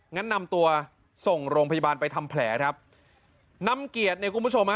งั้นนำตัวส่งโรงพยาบาลไปทำแผลครับนำเกียรติเนี่ยคุณผู้ชมฮะ